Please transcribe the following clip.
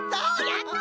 やった！